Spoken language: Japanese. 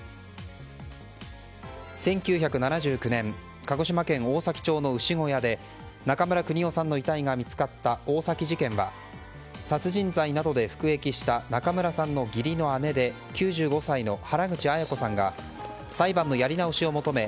１９７９年鹿児島県大崎町の牛小屋で中村邦夫さんの遺体が見つかった大崎事件は殺人罪などで服役した中村さんの義理の姉で９５歳の原口アヤ子さんが裁判のやり直しを求め